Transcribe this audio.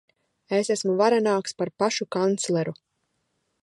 Es esmu varenāks par pašu kancleru.